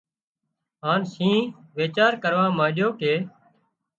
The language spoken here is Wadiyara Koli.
هانَ شينهن ويڇار ڪروا مانڏيو ڪي